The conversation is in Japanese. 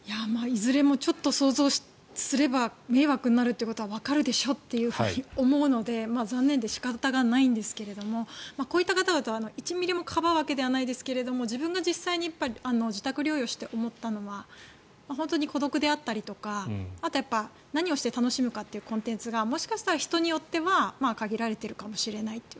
いずれもちょっと想像すれば迷惑になるということはわかるでしょって思うので残念で仕方がないんですがこういう方々を１ミリもかばうわけではないですが自分が実際に自宅療養して思ったのは本当に孤独であったりとかあとは何をして楽しむかっていうコンテンツがもしかしたら人によっては限られているかもしれないと。